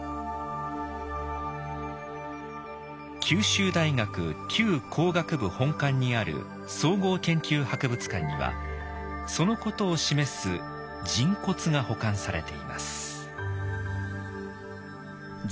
九州大学旧工学部本館にある総合研究博物館にはそのことを示す人骨が保管されています。